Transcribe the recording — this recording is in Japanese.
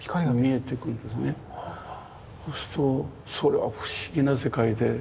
そうするとそれは不思議な世界で。